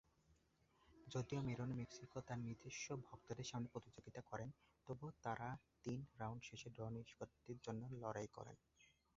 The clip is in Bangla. যদিও মোরেনো মেক্সিকোয় তার নিজস্ব ভক্তদের সামনে প্রতিদ্বন্দ্বিতা করেন, তবুও তারা তিন রাউন্ড শেষে ড্র নিষ্পত্তির জন্য লড়াই করেন।